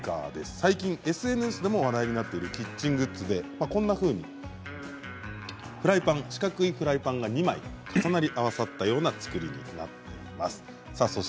最近ＳＮＳでも話題になっているキッチングッズで四角いフライパンが２枚重ね合わさったような造りになっています。